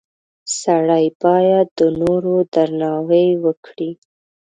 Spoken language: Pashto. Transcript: • سړی باید د نورو درناوی وکړي.